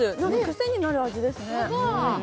癖になる味ですね。